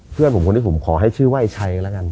เพื่อนผมคนนี้ผมขอให้ชื่อว่าไอ้ชัยกันแล้วกัน